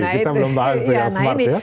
kita belum bahas itu ya